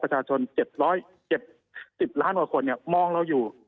ประชาชน๗๗๐ล้านกว่าคนมองเราอยู่